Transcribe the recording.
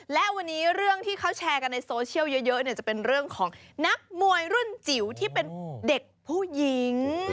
และวันนี้เรื่องที่เขาแชร์กันในโซเชียลเยอะเนี่ยจะเป็นเรื่องของนักมวยรุ่นจิ๋วที่เป็นเด็กผู้หญิง